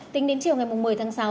tính đến chiều ngày một mươi tháng sáu